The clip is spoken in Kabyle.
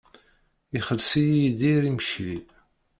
Ixelleṣ-iyi Yidir imekli.